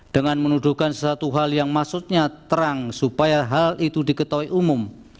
dengan menuduhkan sesuatu hal yang maksudnya terang supaya hal itu diketahui umum